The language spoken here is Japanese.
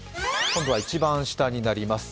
今度は一番下になります。